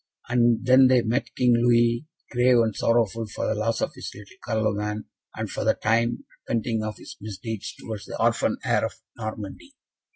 And then they met King Louis, grave and sorrowful for the loss of his little Carloman, and, for the time, repenting of his misdeeds towards the orphan heir of Normandy.